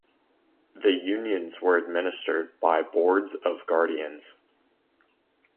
The unions were administered by Boards of Guardians.